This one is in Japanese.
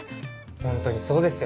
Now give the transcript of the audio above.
本当にそうですよ。